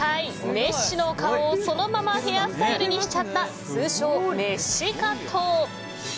メッシの顔をそのままヘアスタイルにしちゃった通称・メッシカット。